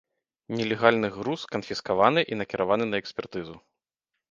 Нелегальны груз канфіскаваны і накіраваны на экспертызу.